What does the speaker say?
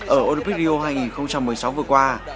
ở olympic hai nghìn một mươi sáu vừa qua